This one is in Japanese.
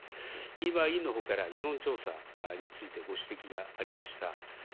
今、委員のほうから世論調査についてご指摘がありました。